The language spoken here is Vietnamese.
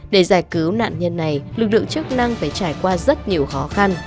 để giải cứu nạn nhân này lực lượng chức năng phải trải qua rất nhiều khó khăn